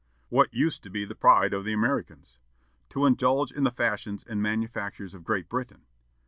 "What used to be the pride of the Americans?" "To indulge in the fashions and manufactures of Great Britain."